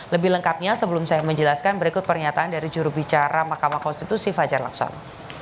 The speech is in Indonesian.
lebih lengkapnya sebelum saya menjelaskan berikut pernyataan dari jurubicara mahkamah konstitusi fajar laksono